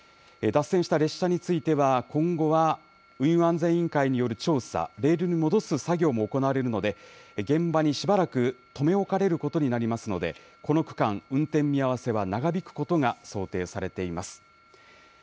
脱線した列車については今後は運輸安全委員会による調査、レールに戻す作業も行われるので現場にしばらく留め置かれることになりますのでこの区間、運転見合わせは長引くことが想定されています。